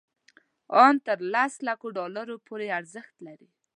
ان تر لس لکو ډالرو پورې ارزښت لري.